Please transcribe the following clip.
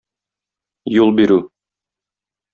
Юл бирү.